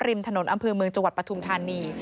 ริมถนนอำเภอเมืองจังหวัดปฐุมธานี